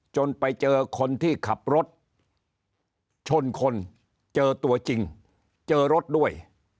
จนไปเจอคนที่ขับรถชนคนเจอตัวจริงเจอรถด้วย